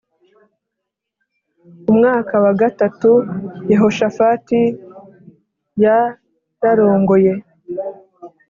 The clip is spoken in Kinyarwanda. umwaka wa gatatu Yehoshafati yrarongoye